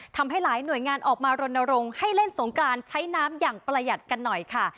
ทำให้หลายหน่วยงานออกมารณรงค์ให้เล่นสงกรานใช้น้ำอย่างประหยัดกันหน่อยค่ะ